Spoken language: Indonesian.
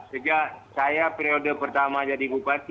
sejak saya periode pertama jadi bupati